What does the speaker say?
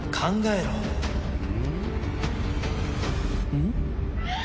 うん？